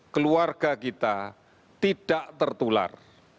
keluarga kita tidak tertular